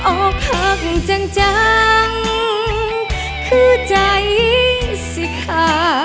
อกหักจังจังคือใจสิค่ะ